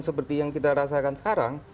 seperti yang kita rasakan sekarang